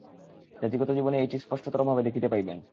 জাতিগত জীবনে এইটি স্পষ্টতরভাবে দেখিতে পাইবেন।